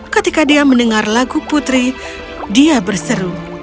ketika dia mendengar lagu putri dia berseru